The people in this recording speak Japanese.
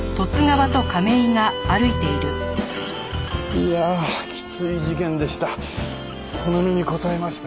いやあきつい事件でした。